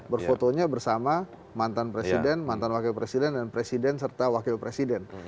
berfotonya bersama mantan presiden mantan wakil presiden dan presiden serta wakil presiden